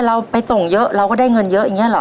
เราไปส่งเยอะเราก็ได้เงินเยอะอย่างนี้เหรอ